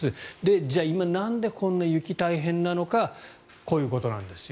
じゃあ、今なんでこんなに雪が大変なのかこういうことなんですよ。